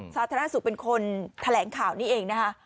สาธารณสุขเป็นคนแถลงข่าวนี้เองนะคะ